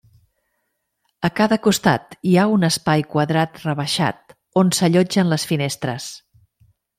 A cada costat hi ha un espai quadrat rebaixat on s'allotgen les finestres.